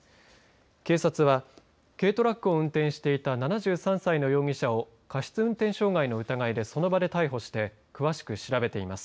警察は軽トラックを運転していた７３歳の容疑者を過失運転傷害の疑いでその場で逮捕して詳しく調べています。